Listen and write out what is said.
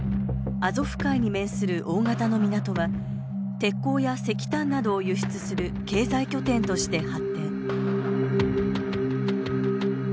アゾフ海に面する大型の港は鉄鋼や石炭などを輸出する経済拠点として発展。